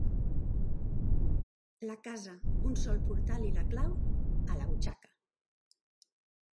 La casa, un sol portal i la clau, a la butxaca.